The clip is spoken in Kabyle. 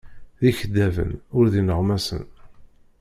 D ikeddaben, ur d ineɣmasen.